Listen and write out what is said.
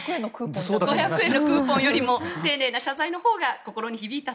５００円のクーポンよりも丁寧な謝罪のほうが心に響いた。